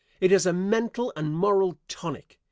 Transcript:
It is a mental and moral tonic.